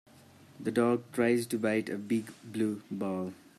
The dog tries to bite a big blue ball.